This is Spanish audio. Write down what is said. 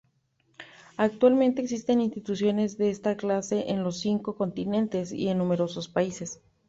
Actualmente, existen instituciones de esta clase en los cinco continentes, y en numerosos países.